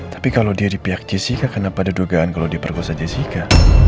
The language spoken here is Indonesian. tapi kalau dia di pihak jessica kenapa ada dugaan kalau diperkosa jessica